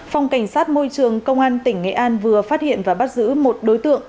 phòng cảnh sát môi trường công an tỉnh nghệ an vừa phát hiện và bắt giữ một đối tượng